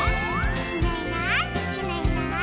「いないいないいないいない」